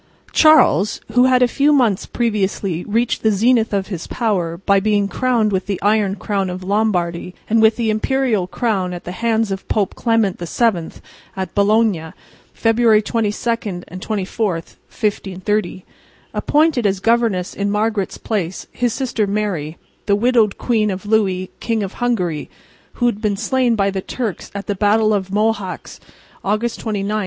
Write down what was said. Charles, who had a few months previously reached the zenith of his power by being crowned with the iron crown of Lombardy and with the imperial crown at the hands of Pope Clement VII at Bologna (February 22 and 24, 1530), appointed as governess in Margaret's place his sister Mary, the widowed queen of Louis, King of Hungary, who had been slain by the Turks at the battle of Mohacs, August 29, 1526.